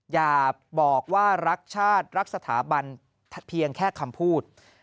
อย่าบอกว่ารักชาติรักสถาบันเพียงแค่คำพูด